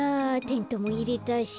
テントもいれたし。